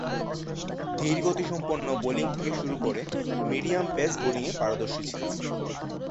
ধীরগতিসম্পন্ন bowling থেকে শুরু করে মিডিয়াম-পেস বোলিংয়ে পারদর্শী ছিলেন।